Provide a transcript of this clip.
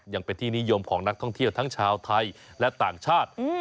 ยังเป็นที่นิยมของนักท่องเที่ยวทั้งชาวไทยและต่างชาติ